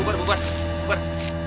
udah bubar bubar